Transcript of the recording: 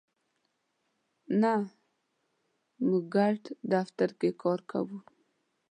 نه، موږ ګډ دفتر کی کار کوو